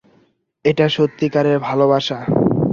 এটা সত্যিকারের ভালোবাসা।